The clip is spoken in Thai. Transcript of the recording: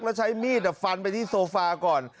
แล้วใช้มีดฟันไปที่โซฟาก่อน